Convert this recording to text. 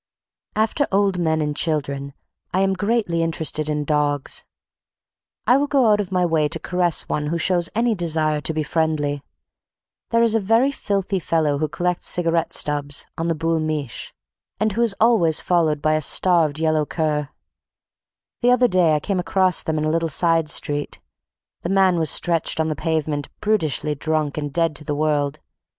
After old men and children I am greatly interested in dogs. I will go out of my way to caress one who shows any desire to be friendly. There is a very filthy fellow who collects cigarette stubs on the Boul' Mich', and who is always followed by a starved yellow cur. The other day I came across them in a little side street. The man was stretched on the pavement brutishly drunk and dead to the world.